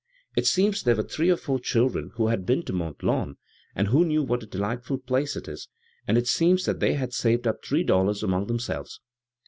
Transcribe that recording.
It seems there were three or four chil dren who had been to Mont Lawn, and who knew what a delightful place it is, and it seems that they had saved up three dollars among themselves.